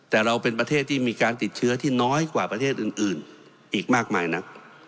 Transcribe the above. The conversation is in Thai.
แต่เราเป็นประเทศที่มีการติดเชื้อที่น้อยกว่าประเทศอื่นอีกมากมายนัก